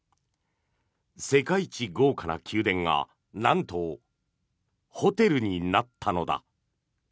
世界一豪華な宮殿がなんと、ホテルになったのだ。